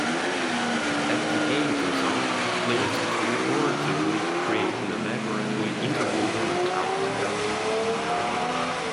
As the game goes on, the players collaboratively create an elaborately interwoven account.